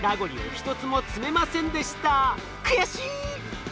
悔しい！